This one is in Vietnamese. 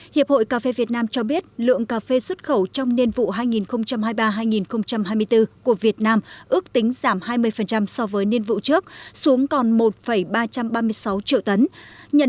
hiệp hội cà phê việt nam cho biết lượng cà phê xuất khẩu trong niên vụ hai nghìn hai mươi ba hai nghìn hai mươi bốn của việt nam ước tính giảm hai mươi so với niên vụ trước xuống còn một ba trăm ba mươi sáu triệu tấn